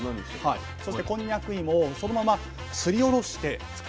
そしてこんにゃく芋をそのまますりおろして作る。